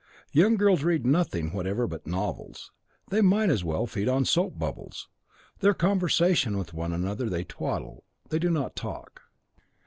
Young girls read nothing whatever but novels they might as well feed on soap bubbles. In their conversation with one another they twaddle, they do not talk."